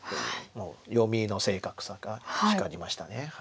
もう読みの正確さが光りました。